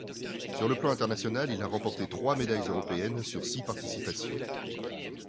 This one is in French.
Sur le plan international, il a remporté trois médailles européennes sur six participations.